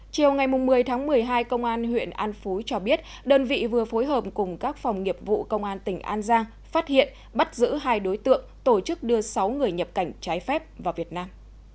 chiều ngày một mươi tháng một mươi hai công an huyện an phú cho biết đơn vị vừa phối hợp cùng các phòng nghiệp vụ công an tỉnh an giang phát hiện bắt giữ hai đối tượng tổ chức đưa sáu người nhập cảnh trái phép vào việt nam